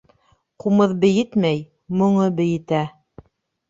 Ҡумыҙ бейетмәй, моңо бейетә.